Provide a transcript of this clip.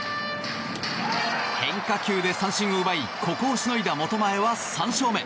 変化球で三振を奪いここをしのいだ本前は３勝目。